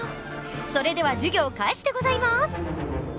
それでは授業開始でございます。